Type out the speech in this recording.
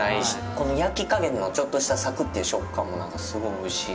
この焼き加減のちょっとしたサクッという食感もすごいおいしい。